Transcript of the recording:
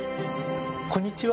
こんにちは。